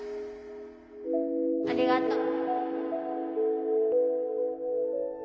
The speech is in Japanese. ありがとう。